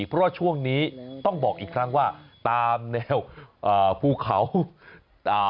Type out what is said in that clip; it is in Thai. เพราะช่วงนี้ต้องบอกอีกครั้งว่าตามแนวฟูเขา